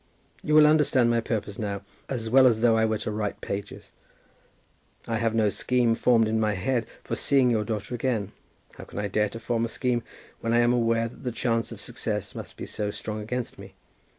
You will understand my purpose now as well as though I were to write pages. I have no scheme formed in my head for seeing your daughter again. How can I dare to form a scheme, when I am aware that the chance of success must be so strong against me?